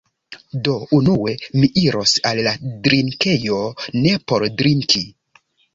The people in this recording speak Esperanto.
Do, unue mi iros al la drinkejo ne por drinki